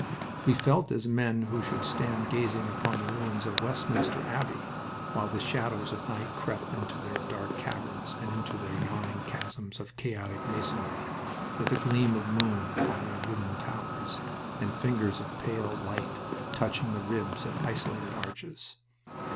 We felt as men who should stand gazing upon the ruins of Westminster Abbey, while the shadows of night crept into their dark caverns and into their yawning chasms of chaotic masonry, with a gleam of moon upon their riven towers and fingers of pale light touching the ribs of isolated arches.